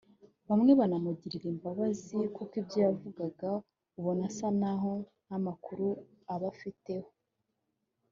Bamwe banamugirira imbabazi kuko ibyo avuga ubona asa naho nta makuru aba abifiteho